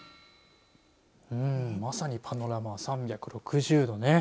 まさに、パノラマ３６０度ね。